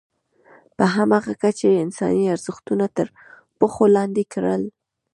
په همغه کچه یې انساني ارزښتونه تر پښو لاندې کړل.